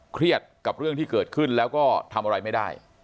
เครียดกับเรื่องที่เกิดขึ้นแล้วก็ทำอะไรไม่ได้